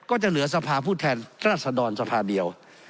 ก็จะเหลือสภาพผู้แทนรัศดรสภาเดียว